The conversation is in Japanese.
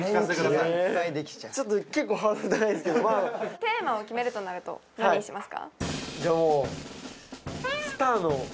テーマを決めるとなると何にしますか？